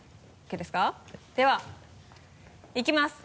ではいきます！